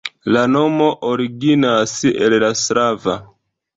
La nomo originas el la slava.